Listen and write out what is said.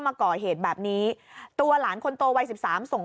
มากอแผ่นแบบนี้ตัวหลานคนโตวัย๑๓ส่ง